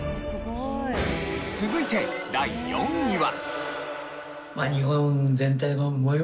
続いて第４位は。